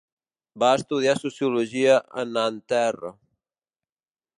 Va estudiar Sociologia a Nanterre.